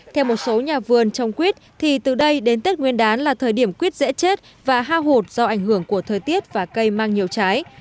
theo một số nhà vườn trong quýt thì từ đây đến tết nguyên đán là thời điểm quyết dễ chết và ha hụt do ảnh hưởng của thời tiết và cây mang nhiều trái